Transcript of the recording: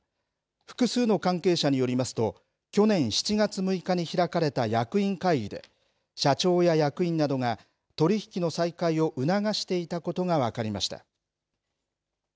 複数の関係者によりますと、去年７月６日に開かれた役員会議で、社長や役員などが、取り引きの再開を促していたことが分かりました。